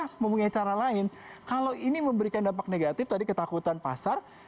kita mempunyai cara lain kalau ini memberikan dampak negatif tadi ketakutan pasar